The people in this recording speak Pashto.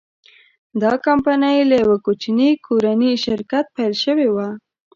دا کمپنۍ له یوه کوچني کورني شرکت پیل شوې وه.